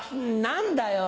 何だよ。